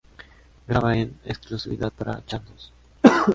Graba en exclusividad para Chandos.